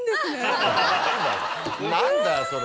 何だよそれ。